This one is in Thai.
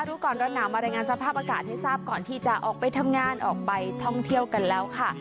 รู้ก่อนร้อนหนาวมารายงานสภาพอากาศให้ทราบก่อนที่จะออกไปทำงานออกไปท่องเที่ยวกันแล้วค่ะ